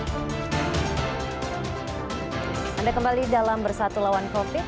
anda kembali dalam bersatu lawan covid